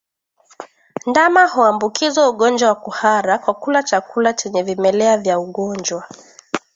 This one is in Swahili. Ndama huambukizwa ugonjwa wa kuhara kwa kula chakula chenye vimelea vya ugonjwa